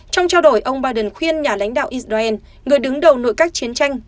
trong trao đổi ông biden khuyên nhà lãnh đạo israel người đứng đầu nội các chiến tranh